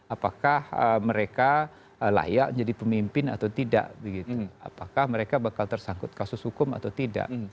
apakah mereka layak jadi pemimpin atau tidak apakah mereka bakal tersangkut kasus hukum atau tidak